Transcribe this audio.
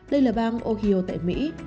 đây là bang ohio tại mỹ